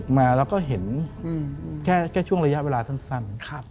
ก็เห็นแค่ช่วงระยะเวลาสั้น